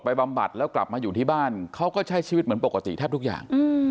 บำบัดแล้วกลับมาอยู่ที่บ้านเขาก็ใช้ชีวิตเหมือนปกติแทบทุกอย่าง